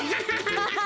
ハハハ！